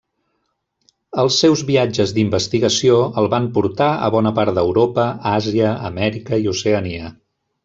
Els seus viatges d'investigació el van portar a bona part d'Europa, Àsia, Amèrica i Oceania.